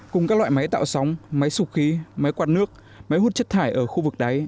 cùng các loại máy tạo sóng máy sụp khí máy quạt nước máy hút chất thải ở khu vực đáy